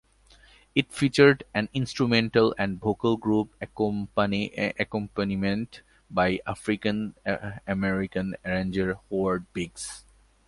It featured an instrumental and vocal group accompaniment by African American arranger Howard Biggs.